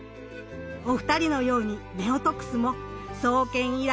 お二人のように夫婦楠も創建以来